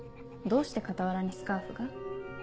どうして傍らにスカーフが？